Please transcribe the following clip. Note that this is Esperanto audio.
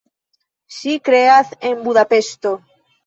Ŝi kreas en Budapeŝto.